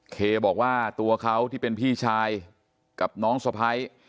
เคบอกว่าตัวเขาที่เป็นพี่ชายกับน้องสะพ้าย